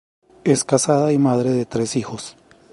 Es casada y madre de tres hijos.